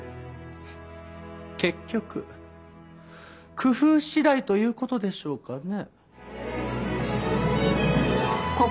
結局工夫次第という事でしょうかね。